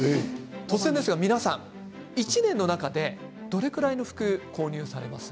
突然ですが皆さん、１年の中でどれくらいの服を購入されます？